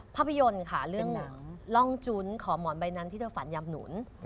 ภาพยนตร์ค่ะเรื่องหนังร่องจุ้นขอหมอนใบนั้นที่เธอฝันยำหนุน